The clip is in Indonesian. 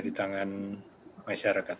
di tangan masyarakat